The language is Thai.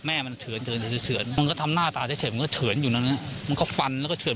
แม่มันเฉือนเฉือนเฉือนเฉือนเฉือนเฉือน